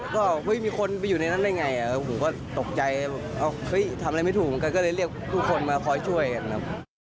ตกใจครับพี่ก็มีคนไปอยู่ในนั้นได้ไงผมก็ตกใจทำอะไรไม่ถูกก็เลยเรียกทุกคนมาคอยช่วยครับ